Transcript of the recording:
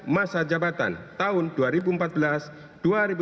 majelis perunturan rakyat republik indonesia